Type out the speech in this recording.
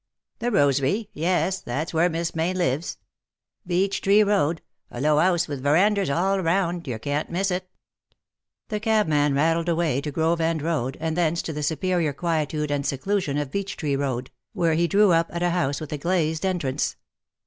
" The Rosary — yes, that's where Miss Mayne 276 '^ LOVE IS LOVE FOR EVERMORE." lives. Beecli Tree Eoad — a low ^ouse with veranders all round — yer can't miss it/' TLe cabman rattled away to Grove End Road, and thence to the superior quietude and seclusion of Beech Tree Eoad, where he drew up at a house with a glazed entrance.